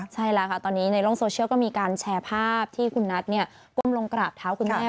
ใช่แล้วค่ะตอนนี้ในโลกโซเชียลก็มีการแชร์ภาพที่คุณนัทก้มลงกราบเท้าคุณแม่